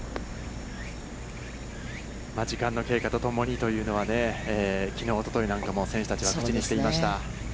時間の経過とともにというのはね、きのう、おとといなんかも選手は口にしていました。